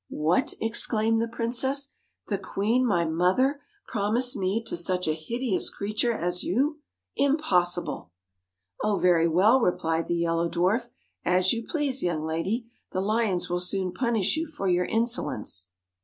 ' What !' exclaimed the princess ;' the queen, my mother, promised me to such a hideous creature as you ! Impossible !'' Oh, very well,' replied the Yellow Dwarf ;' as you please, young lady. The lions will soon punish you for your insolence.'